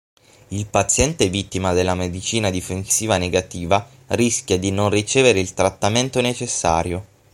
Il paziente vittima della medicina difensiva negativa rischia di non ricevere il trattamento necessario.